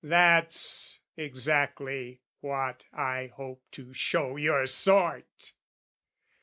That's Exactly what I hope to show your sort!